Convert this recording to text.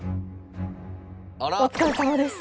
お疲れさまです。